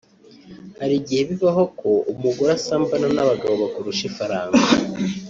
Hari igihe bibaho ko umugore asambana n´abagabo bakurusha ifaranga